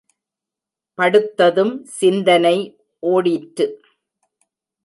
படுத்ததும் சிந்தனை ஒடிற்று.